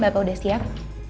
bapak sudah siap